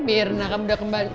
eh mirna kamu udah kembali